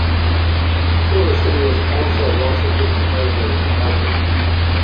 Silverstein was also Washington editor for "Harper's".